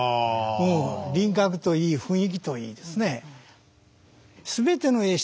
輪郭といい雰囲気といいですね